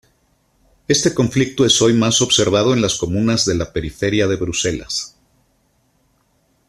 Este conflicto es hoy más observado en las comunas de la periferia de Bruselas.